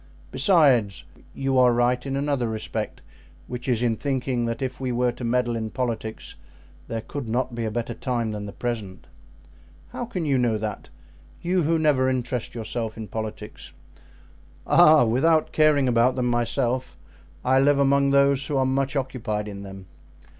Besides, you are right in another respect, which is in thinking that if we were to meddle in politics there could not be a better time than the present." "How can you know that? You who never interest yourself in politics?" "Ah! without caring about them myself, I live among those who are much occupied in them.